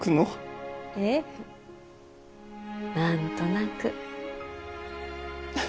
ええ何となく。